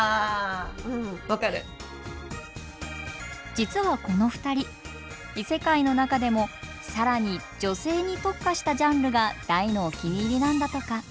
実はこの２人異世界の中でも更に女性に特化したジャンルが大のお気に入りなんだとか。